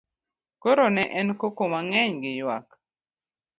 koro ne en koko mang'eny gi ywak